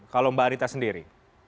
kalau mbak arita sendiri